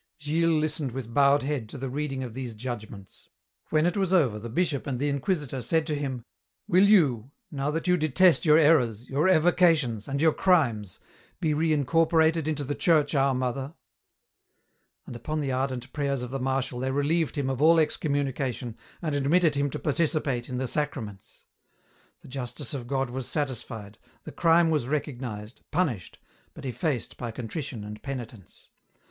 Gilles listened with bowed head to the reading of these judgments. When it was over the Bishop and the Inquisitor said to him, "Will you, now that you detest your errors, your evocations, and your crimes, be reincorporated into the Church our Mother?" And upon the ardent prayers of the Marshal they relieved him of all excommunication and admitted him to participate in the sacraments. The justice of God was satisfied, the crime was recognized, punished, but effaced by contrition and penitence.